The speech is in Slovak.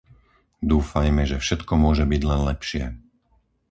Dúfajme, že všetko môže byť len lepšie.